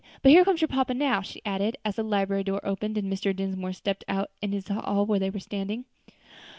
But here comes your papa now." she added, as the library door opened, and Mr. Dinsmore stepped out into the hall where they were standing.